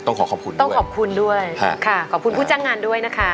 ขอขอบคุณต้องขอบคุณด้วยค่ะขอบคุณผู้จ้างงานด้วยนะคะ